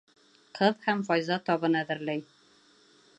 Ҡыҙ һәм Файза табын әҙерләй.